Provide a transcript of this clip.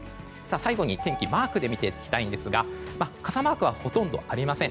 最後に天気、マークで見ていきたいんですが傘マークはほとんどありません。